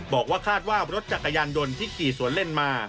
บอกว่าคาดว่ารถจักรยานยนต์ที่ขี่สวนเล่นมา